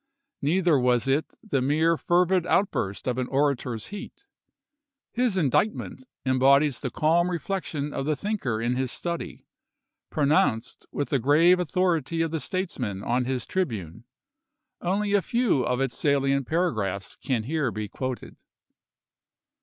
Neither was it the mere fervid outbm'st of an orator's heat. His indictment embodies the calm reflection of the thinker in his study, pronounced with the grave authority of the statesman on his tribune. Only a few of its salient paragraphs can here be quoted.